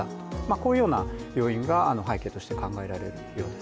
こういうような要因が背景として考えられるようです。